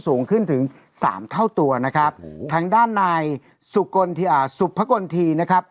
สูงขึ้นถึงสามเท่าตัวนะครับทางด้านนายสุกสุภกลทีนะครับ